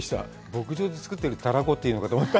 牧場で作った、たらこって言うのかと思った。